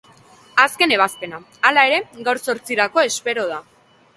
Azken ebazpena, hala ere, gaur zortzirako espero da.